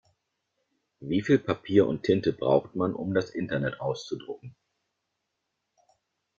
Wie viel Papier und Tinte braucht man, um das Internet auszudrucken?